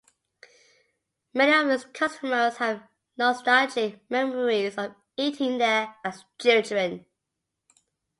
Many of its customers have nostalgic memories of eating there as children.